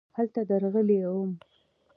هلته درغلې وم .